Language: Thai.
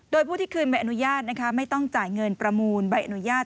โดยผู้ที่คืนใบอนุญาตไม่ต้องจ่ายเงินประมูลใบอนุญาต